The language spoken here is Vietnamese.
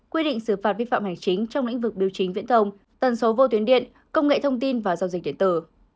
quy định xử phạt vi phạm hành chính trong lĩnh vực biểu chính viễn thông tần số vô tuyến điện công nghệ thông tin và giao dịch điện tử